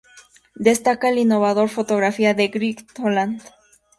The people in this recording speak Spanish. Destaca la innovador fotografía de Gregg Toland.